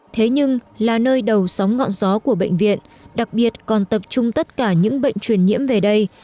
thế nhưng là nơi đầu sóng ngọn gió của bệnh viện đặc biệt còn tập trung tất cả những bệnh truyền nhiễm về đây